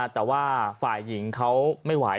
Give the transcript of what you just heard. แต่ว่าฝ่ายหญิงเขาไม่ไหว